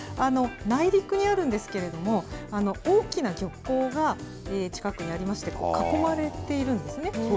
内陸にあるんですけれども、大きな漁港が近くにありまして、囲まれているんですね。